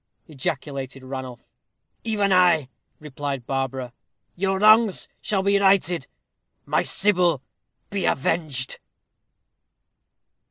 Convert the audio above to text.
ejaculated Ranulph. "Even I," replied Barbara. "Your wrongs shall be righted my Sybil be avenged."